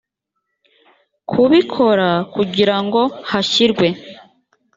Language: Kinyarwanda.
kubikora kugira ngo hashyirwe